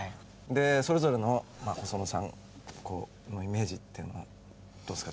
でそれぞれのまあ細野さんのイメージっていうのはどうですか？